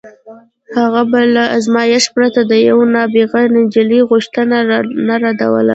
هغه به له ازمایښت پرته د یوې نابغه نجلۍ غوښتنه نه ردوله